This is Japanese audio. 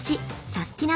サスティな！